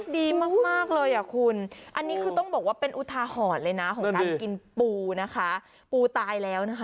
ดูนี่นี่นี่นี่ออกไปแล้ว